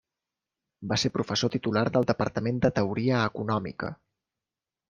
Va ser professor titular del Departament de Teoria Econòmica.